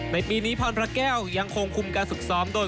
ในปีนี้พรพระแก้วยังคงคุมการฝึกซ้อมโดย